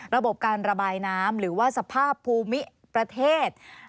ระบบการระบายน้ำหรือว่าสภาพภูมิประเทศ